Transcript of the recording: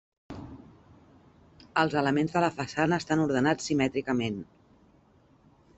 Els elements de la façana estan ordenats simètricament.